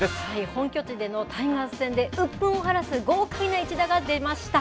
本拠地でのタイガース戦で、うっぷんを晴らす豪快な一打が出ました。